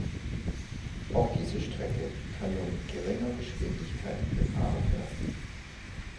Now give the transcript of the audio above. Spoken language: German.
Auch diese Strecke kann nur mit geringer Geschwindigkeit befahren werden.